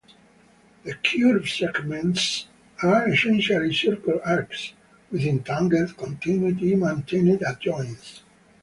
The curve segments are essentially circle arcs, with tangent continuity maintained at joins.